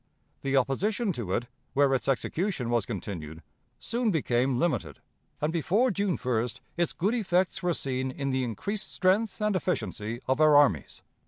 The opposition to it, where its execution was continued, soon became limited, and before June 1st its good effects were seen in the increased strength and efficiency of our armies.